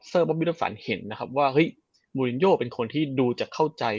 เซอร์บอบวิทยาศาลเห็นว่ามูลินโยเป็นคนที่ดูจะเข้าใจ